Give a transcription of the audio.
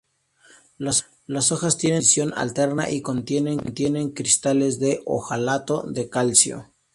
Las hojas tienen disposición alterna y contienen cristales de oxalato de calcio.